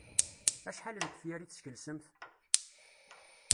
Acḥal n tefyar i teskelsemt?